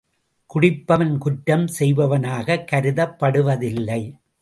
குடிப்பவன் குற்றம் செய்பவனாகக் கருதப்படுவதில்லை.